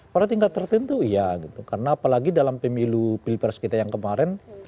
pada tingkat tertentu iya gitu karena apalagi dalam pemilu pilpres kita yang kemarin